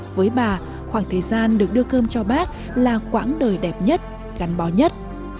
với bà khoảng thời gian được đưa cơm cho bác là quãng đời đẹp nhất gắn bó nhất